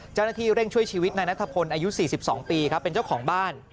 เจ้าหน้าที่เร่งช่วยชีวิตนายนัทพลอายุ๔๒ปีครับเป็นเจ้าของบ้าน